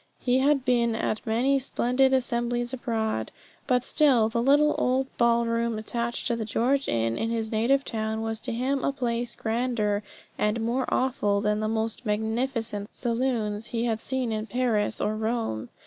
He had been at many splendid assemblies abroad, but still the little old ballroom attached to the George Inn in his native town was to him a place grander and more awful than the most magnificent saloons he had seen in Paris or Rome.